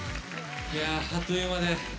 あっという間で。